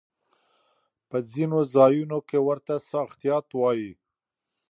په ځينو ځايونو کې ورته ساختيات وايي.